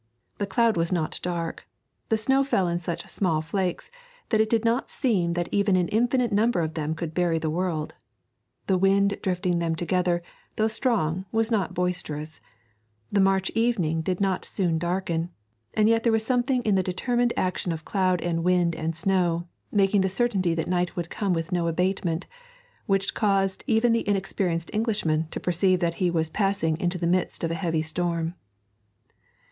The cloud was not dark; the snow fell in such small flakes that it did not seem that even an infinite number of them could bury the world; the wind drifting them together, though strong, was not boisterous; the March evening did not soon darken: and yet there was something in the determined action of cloud and wind and snow, making the certainty that night would come with no abatement, which caused even the inexperienced Englishman to perceive that he was passing into the midst of a heavy storm.